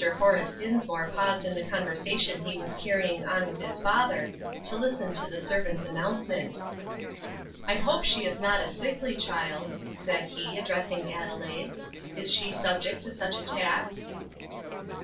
Horace Dinsmore paused in the conversation he was carrying on with his father, to listen to the servant's announcement. "I hope she is not a sickly child," said he, addressing Adelaide; "is she subject to such attacks?"